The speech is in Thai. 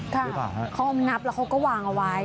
ค่ะเขาเอามานับแล้วเขาก็วางเอาไว้